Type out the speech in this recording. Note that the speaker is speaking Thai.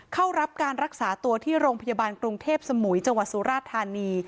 เข้ารับการรักษาตัวที่โรงพยาบาลกรุงเทพสมุยจังหวัดสุราธานี